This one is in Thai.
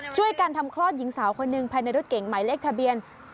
ช่วยกันทำคลอดหญิงสาวคนหนึ่งภายในรถเก๋งหมายเลขทะเบียน๒๕๖